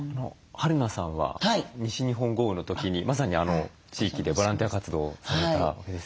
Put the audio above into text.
はるなさんは西日本豪雨の時にまさにあの地域でボランティア活動をされたわけですよね。